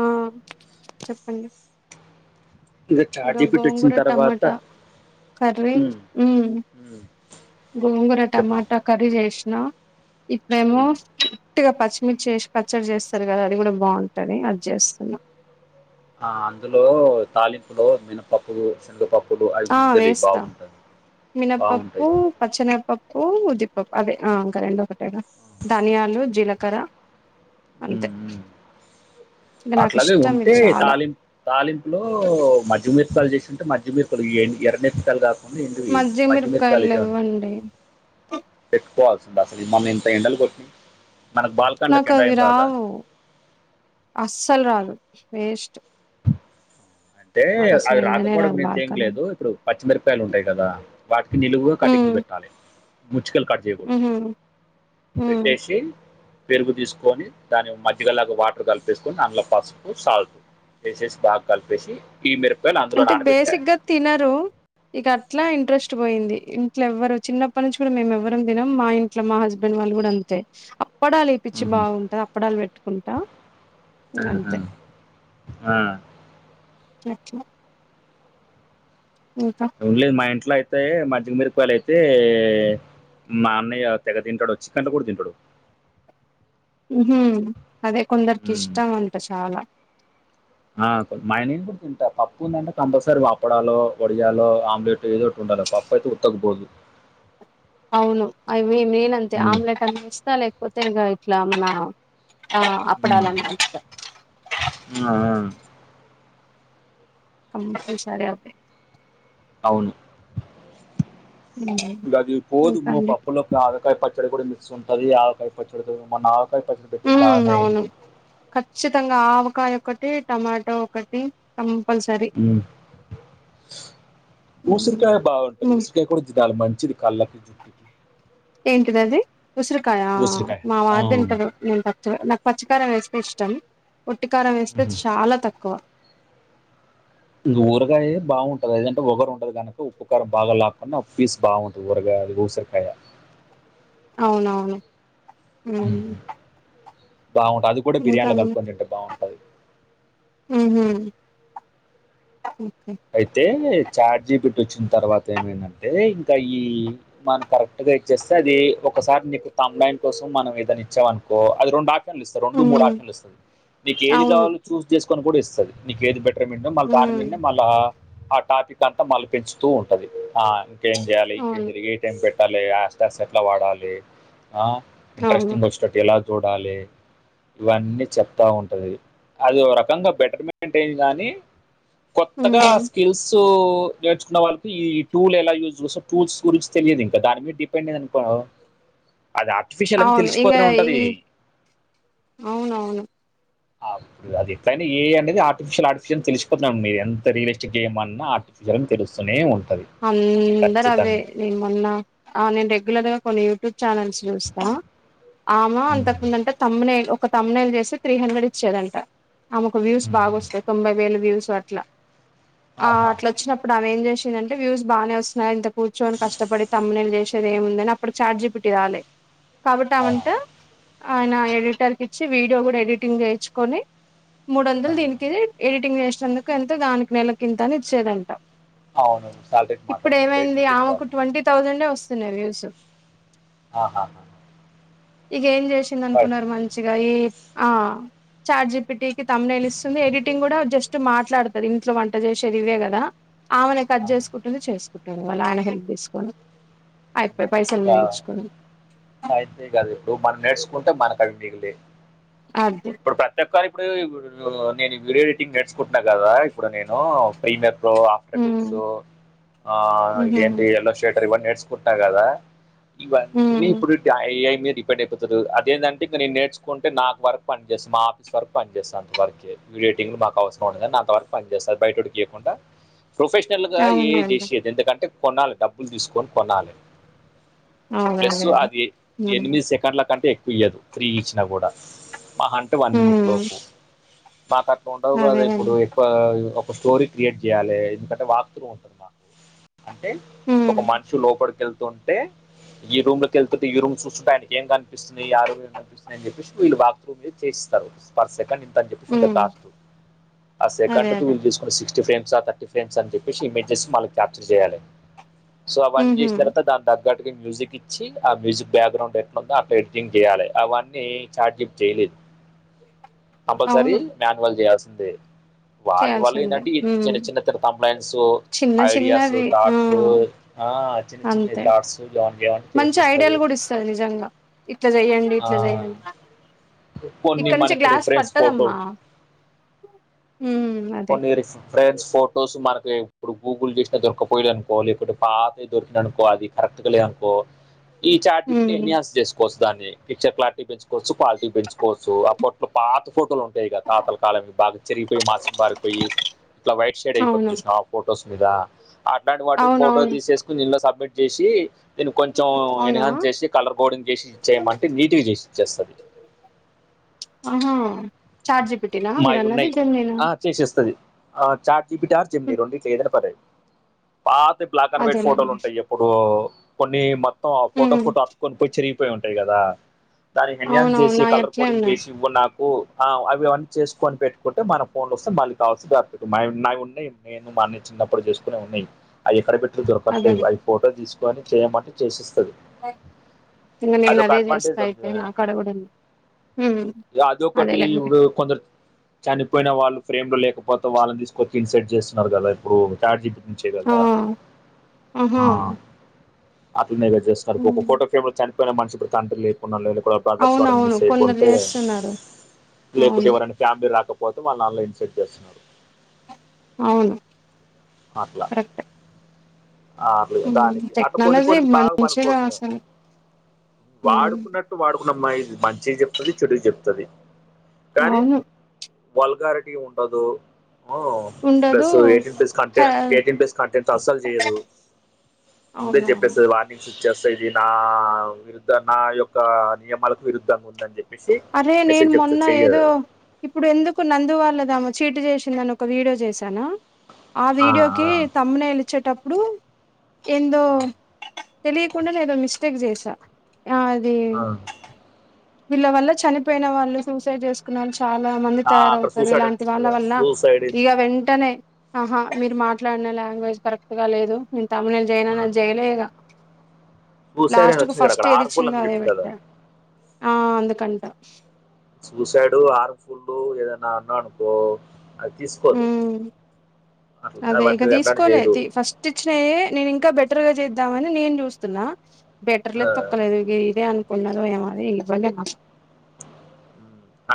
ఆ చెప్పండి ఇక చాట్ ఇరో జీపీటీ వచ్చిన గోంగూర తర్వాత టమాట కర్రీ ఉమ్ ఉమ్, గోంగూర, చెప్పమా టమాటా కర్రీ చేసినా ఇప్పుడేమో ఉమ్, ట్టిగా పచ్చిమిర్చి చేసి పచ్చడి చేస్తారు కదా, అది కూడా బావుంటది అది చేస్తున్నా. ఆ అందులో తాలింపులో మినపప్పు, సెనగపప్పు ఆ వేస్త మినపప్పు, బాగుంటాయి పచ్చేనగపప్పు ఓ ఉద్దిపప్పు అదే ఆంకా రెండు ఒకటేగా ధనియాలు, జీలకర అంతే ఇక నాకు అట్లనే ఇష్టం ఉంటే ఇది చాలా తాలింపు తాలింపులో పచ్చి మిరపకాయలు చేసింటే మధ్యమి ఇప్పుడు ఏ ఎర్రమిర్పకాయలు కాకుండే ఎండివి మజ్జిగ మిరపకాయలు మధ్యమిరపకాలు చాలు లెవ్వండి పెట్టుకోవాల్సింది అసలు మమం ఇంత ఎండలు కొట్టింది. నాకు అవి రావు అస్సలు రాదు వేస్ట్ అంటే నాకు అసలు అవి ఎండనే రాదు రాకపోవడం ఏం బాల్కనీ లేదు ఇప్పుడు పచ్చిమిరపకాయలు ఉంటాయి కదా వాటికి నిలువు కటింగ్ ఉమ్ పెట్టాలి ముచ్చకలు కట్ చేయకూడదు ఉహు ఉమ్ పెట్టేసి పెరుగు తీసుకొని దాని మధ్యగలాగా వాటర్ కలిపేసుకొని అందుల పసుపు సాగు ఏసేసి బాగా కల్పేసి ఇ ఇద్దరు అంటే బేసిక్ గా తినరు ఇక అట్లా ఇంట్రెస్ట్ పోయింది ఇంట్లో ఎవ్వరు చిన్నప్పటి నుంచి కూడా మేము ఎవ్వరం తినం. మా ఇంట్లో మా హస్బెండ్ వాళ్ళు గుడా అంతే అప్పడాలు వేపించి మ్మ్. బాగుంట అప్పడాలు పెట్టుకుంటా ఇగ ఆహు అంతే ఆ చ్చ ఉండ లేదు మా ఇంట్లో అయితే మధ్యగ మీరు యలు అయితే మా అన్నయ్య తెగ తింటాడు చికెన్లో కూడా తింటాడు ఉహు అదే కొందరికి మ్మ్. ఇష్టం అంత చాలా ఆ మైనన్ కూడా తింటా పప్పు ఉందంటే కంపల్సరీ అప్పడాలో వడియాలో ఆమ్లెట్ ఏదో ఒకటి ఉ పప్పయితే ఉత్తకు పోదు అవును అవి మెయిన్ అంతే ఆమ్లెట్ అన్న ఇస్తా లేకపోతే ఇగ ఇట్లా మన ఆ మ్మ్. అప్పడల్లన్న పంచుతా ఆ, ఆ. కంపల్సరీ అదే అవును హ్మ్ ఇగ అది పోదు ఇంకా మా అండి పప్పులో ఆవకాయ పచ్చడి కూడా మిస్ ఉంటది ఆవకాయ పచ్చడితోను మా ఉ అవును ఖచ్చితంగా ఆవకాయ ఒకటి టమాటో ఒకటి కంపల్సరీ ఉ ఊసిరికాయ హ్మ్ బాగుంటుంది ఉసరికాయ కూడా చాల మంచిది కళ్ళకి ఏంటిదది ఉసిరికాయ ఉసిరికాయ మా ఆ. వారు దింటరు నేను నాకు పచ్చి కారం వేస్తే ఇష్టం ఉట్టి కారం వేస్తే చాలా తక్కువ ఇంగ ఊరగాయ బాగుంటది అదంటే వగరు ఉంటది కనుక ఉప్పుకారం బాగా లేకుండా పీస్ బాగుంటది ఊరగాయ ఊసరఖాయ అవునవును బాగుంటది అది కూడా ఇంకా బిర్యాలో అండి. కలుపుకొనిదింటే బాగుంటు ఉహు అయితే చాట్ జీపీటీ వచ్చిన తర్వాత ఏమైందం అ ఇంకా ఈ మనం కరెక్ట్ గా ఇచ్చేస్తే అది ఒకసారి నీకు కమ్ బాక్ కోసం మనం ఏదనా ఇచ్చం అనుకో అది రెం ఇస్తరు రెండు మూడు ఉమ్ ఆప్షన్లు ఇస్తది నీకు ఏది అవును కావాలో చూస్ చేసుకొని కూడా ఇస్తది నీది పెట్ట మళ్ళ దాని ఉమ్ మీదే మళ్ళ ఆ టాపిక్ అంతా మళ్ళీ పెంచుతూ ఉంటది ఆ ఏం జేయాలి ఇంకేం అవును చేయాలి ఏ టైం పెట్టాలి యాస్టాస్ ఎట్లా వాడాలి ఆ అవును ఇంట్రెస్టింగ్ వచ్చేటట్టు ఎలా చూడాలి ఇవన్నీ చెప్తా ఉంటది అది ఒక రకంగా బెటర్మెంట్ ఏది గానీ కొత్తగా ఉమ్ స్కిల్స్ నేర్చుకున్న వాళ్ళకి ఈ టూల్ ఎలా యూజ్ చేస్తో టూల్స్ గురించి తెలియదు ఇంకా దాని మీద డిపెండ్ అయినాననుకో అది ఆర్టిఫిషియల్ అని అవును ఇంగ తెలిసిపోతనే ఉంటది ఈ అవునవును అప్పుడు అది ఎట్లైనా ఏఐ అనేది ఆర్టిఫిషియల్ ఆర్టిఫిషియల్ తెలిసుపోతున్నాం మీరు ఎంత రియలిస్టిక్ గేమ్ అన్నా విజయం తెలుస్తూనే ఉం అందరు అవే నేను మొన్న ఆ నేను రెగ్యులర్ గా కొన్ని ట్యూబ్ ఛానల్స్ చూస్తా ఆమ అంతకుముందంటే తమ్మనే ఒక తమ్మునేలు చేసి త్రీ హండ్రెడ్ ఇచ్చేదంట ఆమెకు వ్యూస్ బాగా వస్తాయి తొంభై వేలు వ్యూస్ అట్లా ఆ ఆహా, అట్లా వచ్చినప్పుడు ఆమె ఏం చేసిందండి అంటే వ్యూస్ బాగానే వస్తున్నాయి ఇంత కూర్చొని కష్టపడి తమిళ్ చేసేది ఏముంది అని అప్పుడు ఛార్జీ పెట్టి రాలె కాబట్ ఆ, అమంట ఆయన ఎడిటర్ కి ఇచ్చి వీడియో కూడా ఎడిటింగ్ చేయించుకొని మూడు ఆ, వందలు దీనికి ఎడిటింగ్ చేసినందుకు ఎంత దానికి నెల కి ఇంత అని ఇచ్చేదంట అవును సాలరీ ఇప్పుడు మాట్లాడుకుంటారు ఏమైంది రేటింగ్ చేసి ఆమెకు వాళ్ళు ట్వంటీ థౌజండ ఏ వస్తున్నాయి వ్యూస్ ఆహా ఇక ఏం చేసింది పర్- అనుకున్నారు మంచిగా ఈ ఆ చార్ట్ జి పి టి కి తమ్మినేల్ ఎడిటింగ్ కూడా జట్ మాట్లాడుతుంది ఇంట్లో వంట చేసే ఇవే కదా ఆమె కట్ ఆహా. చేసుకుంటుంది చేసుకుంటుంది వాళ్ళ ఆయన హెల్ప్ తీసుకొని అయిపోయి పైసలు మిగిలించుకోవడం అయితే కదు ఇప్పుడు మనం నేర్చుకుంటే మనకు అవి మిగిలి అదే ఇప్పుడు ప్రతి అబ్బాయి ఇప్పుడు నేను వీడియో ఎడిటింగ్ నేర్చుకుంటన్నా కదా ఇప్పుడు నేను ప్రీమర్ ఆఫ్టర్ ఎఫెక్ట్స్ ఉమ్ ఉహు ఆంటి ఎల్లో స్టేటర్ ఇవ చూసుకుంటా కదా ఇవన్నీ ఉమ్ ఇప్పుడు ఏ ఐ మీరు రిపీట్ అయిపోతు అదేంటే ఇంకా నేను నేర్చుంటే నాకు వర్క్ పని చేస్తా మా ఆఫీస్ వరకు పని చేస్తే అంత వరకే వీడియో ఎడిటింగ్ మాకు అవసరం ఉంది కాని అంత వరకు పని చేస్తారు బయటటిడికియకుండా కూడా ప్రొఫెషనల్గా ఏ అవునులేండి చేసేది ఎందుకంటే కొనాలి డబ్బులు తీసుకొని కొనాలి అవును ప్లస్ అదే అదే అది ఉమ్ ఎనిమిది సెకండ్ల కంటే ఎక్కువ ఇవ్వద్దు త్రీ ఇచ్చినా కూడా మా అంటే వన్ మినిట్ ఉమ్ లోపు మాకు అట్లా ఉండవు కదా ఇప్పుడు అదేనండి ఎక్కువ ఒక స్టోరీ క్రియేట్ చేయాలి ఎందుకంటే వాక్తులు ఉంటుంద అంటే ఒక ఉమ్ మనిషి లోపలికి వెళ్తుంటే ఈ రూమ్ లోకి వెళ్తుే ఈ రూమ్ చూ చూస్తే అయినకు ఏం కనిపిస్తున్నాయి ఆరోగ్యం కనిపిస్తున్నాయని చెప్పళ్ళ బా చేస్తారు పర్ సెకండ్ అని చెప్పేసింటే ఉమ్ కాస్ట్ ఆ అదే సెకండ్ కు అదే వీళ్ళు చసుకున్న సిక్స్తఫైవ్ సో ర్ టీ ఫ్రెంట్స్ అని చెప్పసి ఇమేజెస్ మకి క్యాప్చర్ చేయాలి సో అవీ ఉహు చేసిన తర్వాత దాని దగ్గ గట్కి మ్యూజిక్ ఇచ్చి ఆ మ్యూజిక్ బ్యాక్గ్రౌండ్ ఎట్లా ఉందో అట్లా ఎడిటింగ్ చేయాలి అవన్నీ ఏఐ చార్జీ పెట్టి కపల్సరి అవును మాన్యువల్ చేయాల్సిందే వాటి వల్ల చేయాల్సిందే ఏంటంటే ఈ చిన్న ఉమ్ చిన్న తమినల్స్ చిన్న ఐడియాస్ చిన్నవి ఆ థాట్స్ ఆ చిన్న చిన్న అంతే థాట్ మంచి ఐడియాలు కూడా ఇస్తాది నిజంగా ఇట్లా చెయయండి ఆ ఇట్లా చెయయండి కొన్ని ఇక్కడ నుంచి మనకి గ్లాస్ రిఫరెన్స్ ఫోటో పట్టదమ్మా ఉమ్ అదే పోనీ ఫ్రెండ్స్ ఫోటోస్ మనకి ఇప్పుడు గూగుల్ చేసినా దొరకపోయాడు అనుకో లేకపోతే పాతతే దొరికిననుకో అది కరెక్ట్గా లేదునుకో కో ఈ చార్జీ పెట్టి ఉమ్ ఎమిీయాస్ పిచ్చా క్లారిటీ పెంచుకోవచ్చు పాలిటి పెంచుకోవచ్చు అట్ పాత ఫోటోలు ఉంటాయి కద తాతల కాలం మీ బాగా చ బారిపోయి ఇట్లా వైట్ షైడ్ అయిపోతుంది అవును చూసినా ఆ ఫొటోస్ మీద అలాంటి వాటి ఫోటో అవునవును తీసేసుకుని నిళ్లో సబ్మిట్ చేసి దీన్ని కొంచెం ఎన్హాన్స్ అవునా చేసి కలర్ బోర్డింగ్ చేసి ఇచ్చేయమంటే నీట్గా చేసి ఇచ్చేస్తుంది ఆహా చార్జీ పెట్టినా మీరు మావి అన్నది ఉన్నాయి జన్మ ఆ చేసేస్తుది ఆ చాటి బిటార్ జెమినిఏఐ రెండింటిలో ఏదని పదది పాతే బ్లాక్ అండ్ వైట్ ఫోటోలు అదేలేండి ఉంటాయి ఇప్పుడు కొన్ని మొత్తం ఆ ఫోటో ఉమ్ ఫోటో ఎత్తుకొని చిని పోయి ఉంటాయి కదా దాని హెం హన్ అవునవును చేసి నాయి కలర్ అట్లే కోడింగ్ ఉన్నాయి వేసి ఇవ్వ నాకు ఆ అవివన్నీ చేసుకని పెట్టుకుంటే మనం ఫోన్ వస్తే మళ్ళ కావాల్సి వ ఉన్నాయి నేను మా చిన్నప్పుడు చేసుకునే ఉన్నాయి అవి ఎక్కడ పెట్టి దొరకట్లేదు అదేలే అవి ఫోటో తీసుకొని చేయమంటే చేసిస్త ఇంకా నేను అదే చేస్తా అయితే నాకాడకూడా ఉంది ఉమ్ అదొ ఒకటి అదేలేండి ఇప్పుడు కొందరు చనిపోయిన వా వాళ్ళు ఫ్రేమ్ లో లేకపోతే వాళ్ళని తీసుకొచ్చ ఇన్సెట్ చేస్తున్నారు కదా ఇప్పుడుి మంచి ఆ కదా ఆహా ఆ చేస్తారు ఒక హ్మ్. ఫోటో ఫ్రేమ్ లో చనిపోయిన మనిషి ఇప్పుడు తంట్రి లేకున్నా బ్రదర్స్ ఎవరైనా అవునవును మిస్ కొందరు అయిపోతే చేస్తున్నారు లేకుంటే అవును ఎవరైనా ఫ్యామిలీ రాకపో పోతే వాళ్ళ నాన్ల ఇన్సెట్ చేస్తున్నారు అవును కరెక్ట్ అట్లే దానికి అట్ట కొన్ని టెక్నాలజీ కొన్ని బాగా పనికి మంచిగా కోస్తుంది అసలు హ్మ్. వాడుకున్నట్టు వాడుకున్నమ్మా ఇది మంచికి చెప్తుది చెడుకి చెప్తుది అవును వల్గారిటీ ఉండదు ఓ ఉండదు ప్లస్ ఎయిటీన్ పస్ హ కె ఎయిటీన్ పస్ కంటెంట్ అస్సలు చెయదు ముందే అవునవును చెప్పేార్ వార్నింగ్ష చేస్త ఇది నా విరుద్ధ నా యొక్క నియమాలకు విరుద్ధంగా ఉందండి అరే నేను మొన్న ఏదో ఇప్పుడు ఎందుకు కొన్ని అందు వాళ్ళదామా చీటు చేసిందని ఒక వీడియో చేశానా ఆ వీడియోకి తమ్మినేల్ ఇచ్చేటప్పుడు ఎందో ఆ, తెలియకుండానే ఏదో మిస్టేక్ చేశా ఆ అది ఆ. వాలా వాళ్ళ చనిపోయిన వాళ్ళు సూసైడ్ చేసుకునేవారు చాలా మంది ఆ, అక్కడ తయారవుతారు సూసైడ్ అని ఇలాంటి వచ్చింది వాళ్ళ కదా వల్ల సూసైడ్ ఇక వెంటనే ఆహా మీరు మా మాట్లాడిన లాంగ్వేజ్ కరెక్ట్ గా లేదు నేను తమ్మినేల్ చేయాలని చేయాలె ఇగా సూసైడ్ లాస్ట్ అని కు వచ్చింది కదా ఫస్ట్ అక్కడ ఏది ఆర్ఫుల్ ఇచ్చిందో అని అదే చెప్పింది కదా పెట్టా ఆ అందుకంట సూసైడు ఆరు ఫుల్ ఏదన్నా అన్నా అనుకో అది తీసుకోదు ఉమ్ అట్లా అదే ఇక వాటి అట్లాంటి తీసుకోలే చేయదు ఫస్ట్ ఇచ్చినయ్య నేను ఇంకా బట్ బెటర్ గా చేద్దామని నేను చూస్తున్నా బెటర్ ఆ, లేదు తొక్కలేదు ఇ ఇదే అ కొనదో ఏమో ఆని ఇవ్వలేనాక్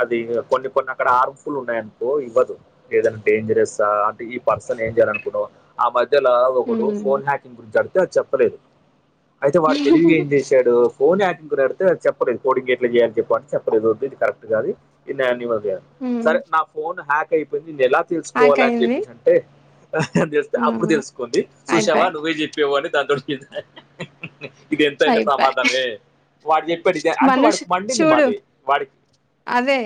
అది కొన్ని కొన్ని అక్కడ హార్మ్ఫుల్ ఉన్నాయనుకో ఇవ్వదు ఏదైనా డేంజరస్ అంటే ఈ పర్సన్ అసలు ఏం చేయాలనుకున్నావు ఆ మద్ మలా ఒకడు హ్మ్ ఫోన్ హ్యాకింగ్ గురించి ఆడితే అది చెప్పలేదు అయితే వాడు తెలివిగా ఏం చేసాడు ఫోన్ యాటింగ్డితే అది చెప్పలేదు కోడింగ్ ఎట్లా చేయాలని చెప్ప అంటే చెప్పలేదు ఇది కరెక్ట్ కాదు ఇన్ అనిమల్ హ్మ్ సరే నా ఫోన్ హ్యాక్ అయిపోయింది నేను ఎలా తెలుసుకోవాల అని ఆకయింది చెప్పేసి అంటే ఆ అప్పుడు తెలుసుకోంది సుషావా అయిపాయ్ నువ్వే చెప్పేవు అని దానితోటికి ఇది ఎంతైంది సయిపాయ్ ప్రమాదమే వాడు చెప్పాడు ఇది అంటే మనుష్ వాడికి మండింది చూడు మళ్ళీ వాడికి అదే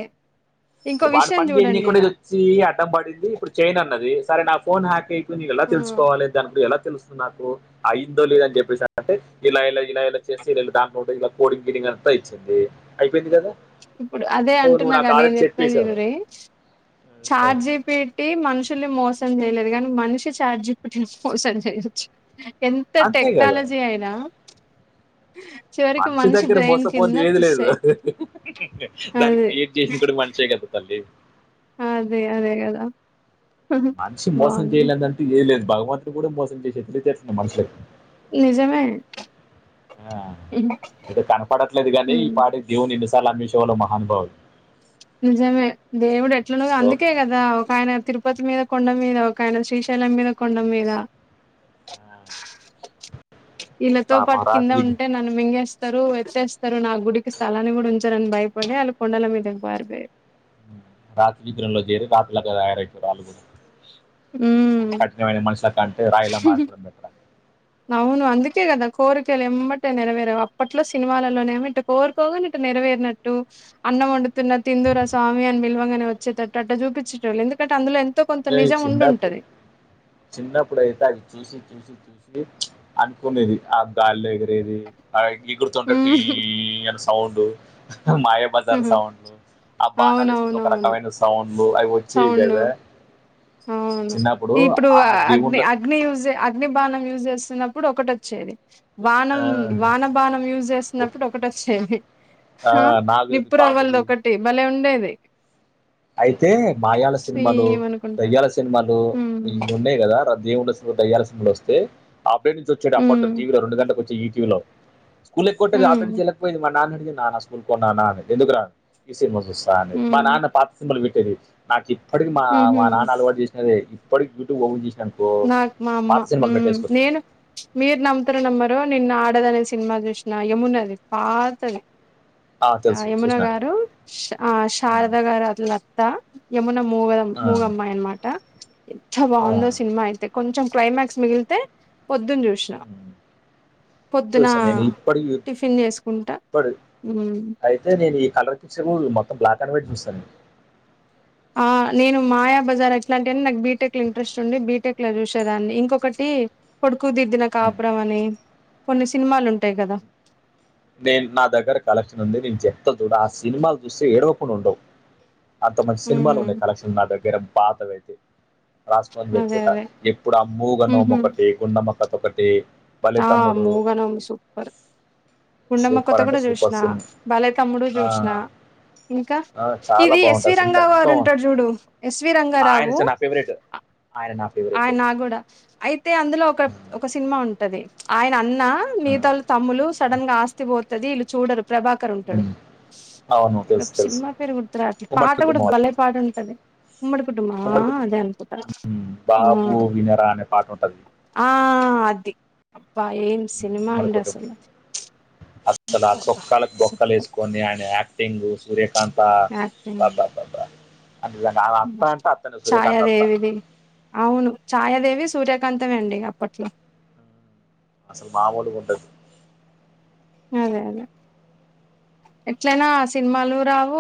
ఇంకో ఇప్పుడు వాళ విషయం పని చేయింది చూడండి కూడా ఈడ ఇది వచ్చి అడ్డం పడింది ఇప్పుడు చైన్ అన్నాది అది సరే నా ఫోన్ హాక్ అయితుంది కదా ఎలా ఆ తెలుసుకోవాలి దాని ఇప్పుడు ఎలా తెలుస్తు నాకు ఆ ఇందో లేద అని చెప్పేసి అంటే ఇలా ఇలాలా చేసి దాంట్లో ఇలా కోడి గిడి మంత ఇచ్చింది అయిపోయింది కదా ఇప్పుడు అదే సో నువ్వు అంటున్నాగా నాకు నేను ఆల్రెడీ చెప్పేదిరి చెప్పేశావు వినూరి చార్జీపీటి మనుషు మనుషులని మోసం చేయలేదు కానీ మనిషి చార్జీ పెట్టి ని మోసం చేయొచ్చు ఎంత అంతే కదా టెక్నాలజీ అయినా చివరికి మనిషి దగ్గర బ్రెయిన్ బొసపోంది కింద ఏదీ లేదు తుస్సే దాన్ని అది క్రియేట్ చేసిన కూడా మనిషి కదా తల్లి హు హుమ్మ్ అదే అదే కదా మనిషి మోసం బాగుంది చేయలేదంటే ఏది లేదు భగవంతుడు కూడా మోసం చేసేది వె తెసిను మనసకి నిజమే ఆ ఇది కనపడట్లేదు కాగాని ఈ హ్మ్ పాడి దీవుని చాలభషవలో మహాభావు నిజమే దేవుడు ఎట్లాో లో- అందుకే కదా ఒకయన తిరు తిరుపతి మీద కొండ మీద ఒక ఆయన శ్రీశైలం మీద కొండ మీద ఆ ఇలతో పాపం పాటు కింద రాత్రి ఉంటే నన్న మింగేస్త స్తారు ఎత్తేస్తారు నా గుడికి స్థలాన్ని కూడా ఉంచారని భయపడి వాళ్ళు కొండల మీద పారిపోయారు రాత్ర విగ్ర లో చేరి రాత్రలాగా తయారైతారుళ్లుు ఈ ఉమ్ కట్న వ మనషల కంటే రాయిలా మారిపోతే ఇట్లా అవును అందుకే కదా కోరికలు ఇమ్మటే నెరవేరేవు అప్పట్లో సినిమాలలోనేమో ఇటు కోరుకోగానే ఇట్టు నెరవేరినట్టు అన్నం వండుతున్న తిందుూర స్వామి అని పిల్వంగానే వచ్చేటట్టు అట్ట చూపించేట వాళ్ళు ఎందుకు అందులో ఎంత న చిన్నప్పుడు చిన్నప్పుడు అయితే అవి చూసి చూసి చూసి అనుకునేది ఆ గాల్లో ఎగి రేది ఎగురుతుంటే గొయ్యి హ్మ్. అనే సౌండ్ మాయాబజార్ సౌండ్లు ఆ బాణలు వేసుకుంటే ఒక అవునవునవును రకమైన సౌండ్ అయి సౌండ్ వచ్చవికాదా అవును ఇప్పుడు హా హా అగ్ని దేవుళ్ళ అగ్ని చు అగ్ని బానం యూజ్ చేస్తున్నప్పుడు ఒకటి వచ్చేదే ఆ, వానం వాన బానం యూజ్ చేస్తున్నప్పుడు ఒకటి వచ్చేది ఆ, హా నాగుది నిప్పుర అవ్వలదు పాముది ఒకటి భలే ఉండేది అయితే మాయాల సినిమాలు ఏమనుకుంటా దయ్యాల సినిమాలు ఉమ్ ఇవి ఉన్నాయి కదా రద్ద ఏమిండదు దయ్యాల సీన్లు వస్తే అబ్బాయి ఎన్నుంచి వచ్చాడో అప్పట్లో ఉమ్ వస్తుందే రెండు రెండు గంటలకు వచ్చే ఈటీవీలో స్కూల్ ఎక్ కొట్టే అడ ఉమ్ నుంచి వెళ్లేకపోయిది మా నాన్న అడిగి నాన్న స్కూల్ పో నాన్న అని ఎందుకురా ఈ సినిమా వస్తు వస్తాంది ఉమ్ నాన్న పాత సినిమా పెట్టేది నాకు ఇప్పటికి మా ఉహు మా నాన్న అలవాటు చేసి అదే పరుగ్ గుడ్డి బౌల్ చేసి నాక్ మా అమ్మ ఉ నేను మీర్ నమ్తారు నమ్మరు నిన్న ఆడద అనే సినిమా చూసిన యమున అది పాతది ఆ తెలుసు యమున చూసినాను గారు శ ఆ శారద గారూల్ల అత్త యమునా మూగ ఆ మూగమ్మాయి అన్నమాట ఎంత ఆ బాగుందో సి కొంచెం క్లైమాక్స్ మిగిలితే ప్రొద్దున చూసిన ఉమ్. పొద్దున చూసాను నేను ఇప్పటికి టిఫిన్ చేసుకుంటా ఇప్పటి అయితే నేను ఈ కలర్ పిక్చర్ మొత్తం బ్లాక్ అండ్ వైట్ చూస్తాను ఆ నేను మాయా బజార్ ఎట్లాంటిని నాకు బీటెక్ లో ఇంట్రెస్ట్ ఉంది బీటెక్ లో చూసేదాన్ని ఇంకొకటి కొడుకు దిర్ద్దిన ఉమ్. కాపురం అని కొన్ని సినిమాలు ఉంటాయి కదా నేను నా దగ్గర కలెక్షన్ ఉంది నేను చెప్తా చూడ ఆ సినిమాలు చూస్తే ఏడవకుండా ఉండవు అంత మంచి సినిమాలు ఉమ్ ఉన్నాయి కలెక్షన్ నా దగ్గర పాతవయితే రాసుకోని అదే పెట్టుకుంటా అదే ఎప్పుడు మూగ నోము ఉహు ఒకటి గుండమ్మ కథ ఒకటి బలి ఆ తమ్ముడు మూగ నోము సూపర్ గుండమ్మ కథ సూపర్ అంటే కూడా సూపర్ చూసినా బలేతమ్ముడు చూసిన సినిమా ఇంకా చాలా ఇది ఎస్వి బాగుంటుంది రంగా సినిమా ఇంకా గారు ఉంటాడు చూడు ఎస్వి ఆయన రంగారావు నా ఫేవరెట్ ఆయన నా ఆయ్ ఫేవరెట్ నా కూడా అయితే అందులో ఒక ఒక సినిమా ఉ టది ఆయన అన్న మిగతాలు తమ్ములు సడన్ గా ఆస్తి పోతది వీళ్ళు చూడరు. ప్రభాకర్ ఉంటాడు స్ అవును ఏదో తెలుసు తెలుసు సినిమా పేరు గుర్తు రాట్లే ఉమ్మడి పాట కూడా కుటుంబం భలే పాట ఉంట టది ఉమ్మడి కుటుంబమా ఉమ్మడి కుటుంబం అదే అనుకుంట ఆ టోటల్ అప్పా ఏం సినిమాండి అసలు అసలా అబ్బా చొక్కాలకు బొక్కలు సూపర్ వేసుకొని ఆయన యాక్టింగ్ సురేఖ కంత యాక్టింగ్ పద్ద పద్ద అత్త ఛాయాదేవిది అవును ఛాయాదేవి సూర్యకాంతమె అండి అప్పట్లో అసలు మాములుగా ఉండదు. అదే అదే ఎట్లైనా సినిమాలు రావు